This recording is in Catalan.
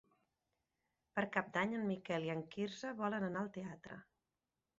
Per Cap d'Any en Miquel i en Quirze volen anar al teatre.